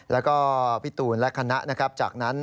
แล้วก็พี่ตูนและคณะจากนั้น